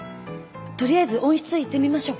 取りあえず温室行ってみましょう。